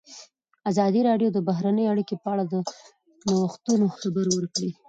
ازادي راډیو د بهرنۍ اړیکې په اړه د نوښتونو خبر ورکړی.